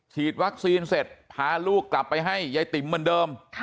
ฉีดวัคซีนเสร็จพาลูกกลับไปให้ยายติ๋มเหมือนเดิม